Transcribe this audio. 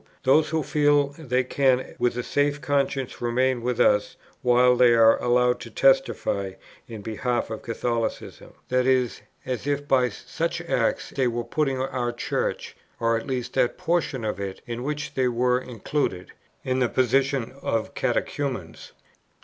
those who feel they can with a safe conscience remain with us while they are allowed to testify in behalf of Catholicism, i.e. as if by such acts they were putting our Church, or at least that portion of it in which they were included, in the position of catechumens."